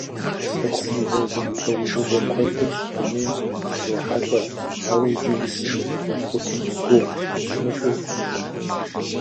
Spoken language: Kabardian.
Сэху мывэ зэмылӀэужьыгъуэ куэдым дунейм ущрохьэлӀэ, ауэ иджыри зым налкъутым и гугъу дымыщӀу хъункъым.